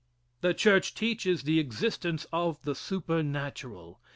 The church teaches the existence of the supernatural.